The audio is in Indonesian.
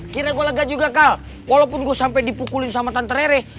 kira gua lega juga kal walaupun gua sampe dipukulin sama tante rere